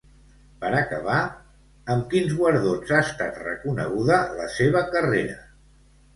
Per acabar, amb quins guardons ha estat reconeguda la seva carrera?